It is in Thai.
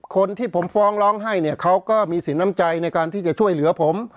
คนที่ผมฟ้องร้องให้เนี่ยเขาก็มีสินน้ำใจในการที่จะช่วยเหลือผม